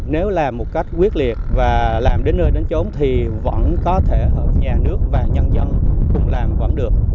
nếu làm một cách quyết liệt và làm đến nơi đến trốn thì vẫn có thể nhà nước và nhân dân cùng làm vẫn được